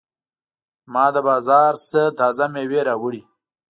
ما له بازار نه تازه مېوې راوړې.